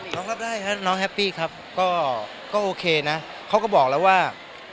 รับได้ครับน้องแฮปปี้ครับก็โอเคนะเขาก็บอกแล้วว่า